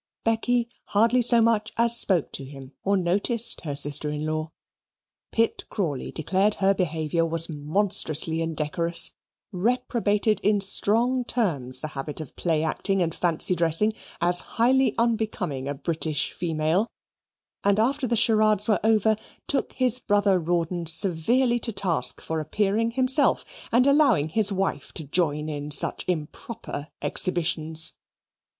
Becky hardly so much as spoke to him or noticed her sister in law. Pitt Crawley declared her behaviour was monstrously indecorous, reprobated in strong terms the habit of play acting and fancy dressing as highly unbecoming a British female, and after the charades were over, took his brother Rawdon severely to task for appearing himself and allowing his wife to join in such improper exhibitions.